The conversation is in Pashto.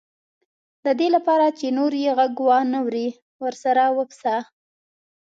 د دې لپاره چې نور یې غږ وانه وري ورسره وپسه.